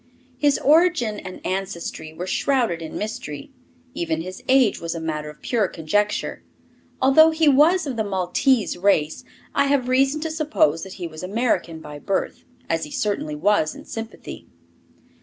His origin and ancestry were shrouded in mystery; even his age was a matter of pure conjecture. Although he was of the Maltese race, I have reason to suppose that he was American by birth as he certainly was in sympathy.